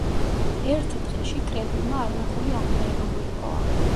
ერთ დღეში კრებულმა არნახული აღიარება მოიპოვა.